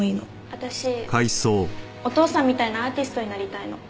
私お父さんみたいなアーティストになりたいの。